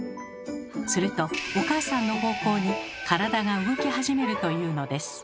するとお母さんの方向に体が動き始めるというのです。